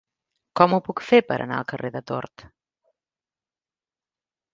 Com ho puc fer per anar al carrer de Tort?